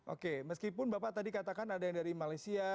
oke meskipun bapak tadi katakan ada yang dari malaysia